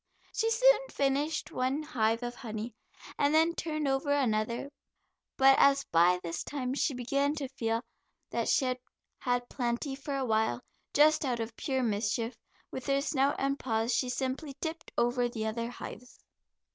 She soon finished one hive of honey and then turned over another, but as by this time she began to feel that she had had plenty for a while, just out of pure mischief, with her snout and paws, she simply tipped over the other hives.